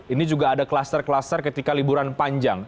ini juga ada kluster kluster ketika liburan panjang